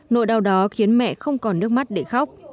nỗi đau đó khiến mẹ không còn nước mắt để khóc